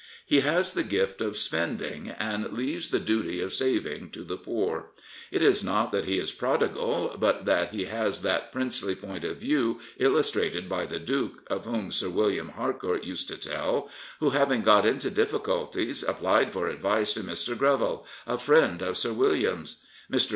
He has the gift of spending, and leaves the duty of saving to the poor. It is not that he is a prodigd ; but that he has that princely point of view illustrated by the duke of whom Sir William Harcourt used to tell, who, having got into difiSculties, applied for advice to Mr. Greville, a friend of Sir William's. Mr.